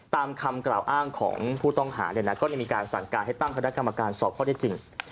ตามคำกล่าวอ้างของผู้ต้องหาเนี่ยนะก็ได้มีการสั่งการให้ตั้งคณะกรรมการสอบข้อได้จริง